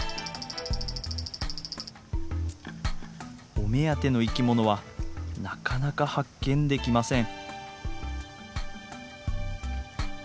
お目当ての生き物はなかなか発見できません。